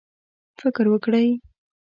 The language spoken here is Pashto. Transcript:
فکر وکړئ